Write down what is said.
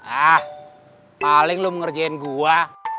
ah paling lu mengerjain gua